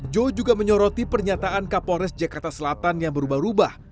joe juga menyoroti pernyataan kapolres jakarta selatan yang berubah ubah